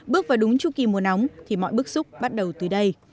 bước vào đúng chú kỳ mùa nóng thì mọi bước xúc bắt đầu từ đây